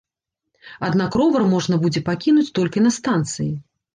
Аднак ровар можна будзе пакінуць толькі на станцыі.